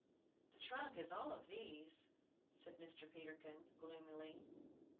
"The trunk is all these," said Mr. Peterkin, gloomily.